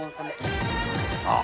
さあ